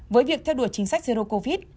với việc theo đuổi chính sách zero covid